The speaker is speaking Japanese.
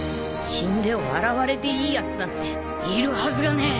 死んで笑われていいやつなんているはずがねえ